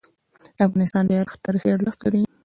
د افغانستان بیرغ تاریخي ارزښت لري.